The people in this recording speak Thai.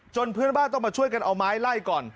เพื่อนบ้านต้องมาช่วยกันเอาไม้ไล่ก่อน